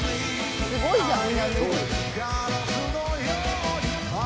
すごいじゃん。